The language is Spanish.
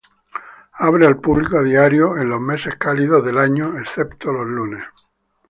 Abre al público a diario en los meses cálidos del año excepto los lunes.